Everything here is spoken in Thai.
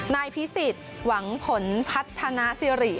นายพิสิทธิ์หวังผลพัฒนาสิริ